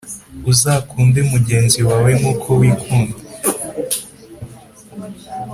Uzakunde mugenzi wawe nkuko wikunda